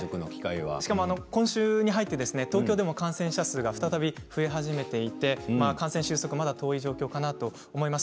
今週に入って東京でも感染者数が再び増え始めていて感染収束にはまだ程遠い状況かなと思います。